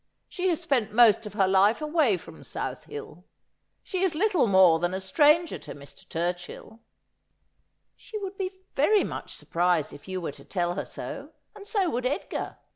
She has spent most of her life away from South Hiil. She is little more than a stranger to Mr. Turchill.' * She would be very mnch surprised if you were to tell her so, and so would Edgar.